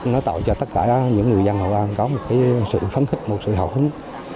nó tạo cho tất cả những người dân hội an có một sự phấn khích một sự hậu hứng